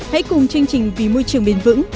hãy cùng chương trình vì môi trường bền vững